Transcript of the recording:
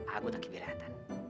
aku tak keberatan